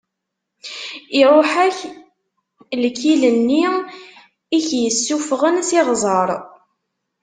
Iṛuḥ-ak lkil-nni i k-issufɣen s iɣzeṛ.